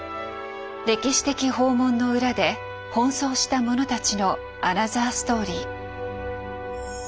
歴史的訪問の裏で奔走した者たちのアナザーストーリー。